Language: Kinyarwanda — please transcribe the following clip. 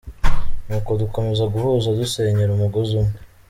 Nuko dukomeze guhuza dusenyera umugozi umwe.